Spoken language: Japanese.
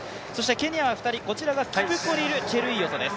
ケニアは２人、こちらがキプコリル・チェルイヨトです。